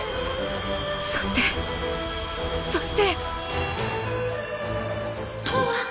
そしてそしてとわ！